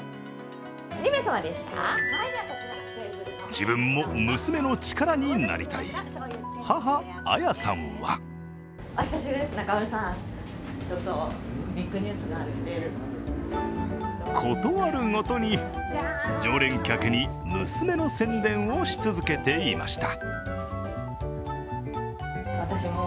自分も娘の力になりたい、母・綾さんはことあるごとに、常連客に娘の宣伝をし続けていました。